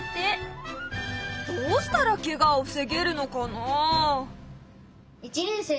どうしたらケガを防げるのかな？